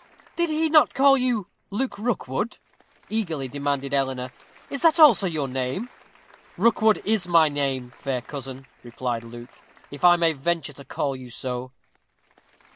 "Did he not call you Luke Rookwood?" eagerly demanded Eleanor. "Is that also your name?" "Rookwood is my name, fair cousin," replied Luke, "if I may venture to call you so."